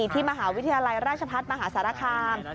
ที่มหาวิทยาลัยราชพัฒน์มหาสารคาม